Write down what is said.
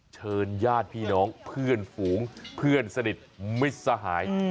เชิญญาติพี่น้องเพื่อนฝูงเพื่อนสนิทมิตรสหาย